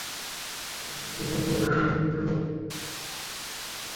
হেরাথের সপ্তম ওভারের প্রথম তিন বলে অ্যাডাম ভোজেস কোনো রান নিতে পারেননি।